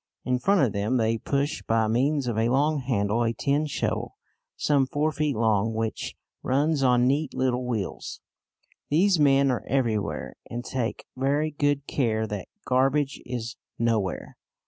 In front of them they push by means of a long handle a tin shovel, some four feet long, which runs on neat little wheels. These men are everywhere, and take very good care that garbage is nowhere.